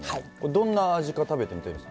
どんな味か食べてみたいです。